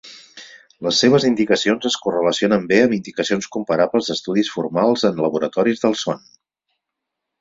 Les seves indicacions es correlacionen bé amb indicacions comparables d'estudis formals en laboratoris del son.